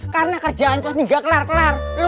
karena kerjaan tuas ini gak kelar kelar